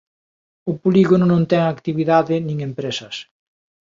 O polígono non ten actividade nin empresas.